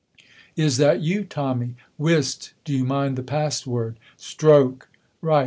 "Is that you, Tommy?" "Whist! Do you mind the password?" "Stroke!" "Right.